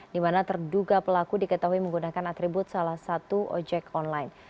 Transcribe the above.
di mana terduga pelaku diketahui menggunakan atribut salah satu ojek online